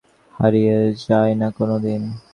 বছর গড়িয়ে যেতে পারে, কিন্তু স্মৃতি হারিয়ে যায় না কোনোদিন।